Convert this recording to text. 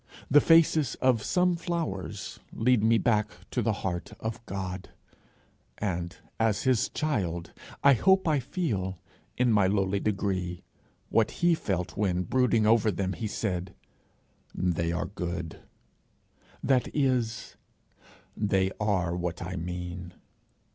The faces of some flowers lead me back to the heart of God; and, as his child, I hope I feel, in my lowly degree, what he felt when, brooding over them, he said, 'They are good;' that is, 'They are what I mean.'